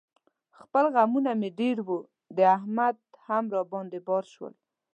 خپل غمونه مې ډېر و، د احمد هم را باندې بار شول.